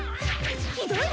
ひどいわ！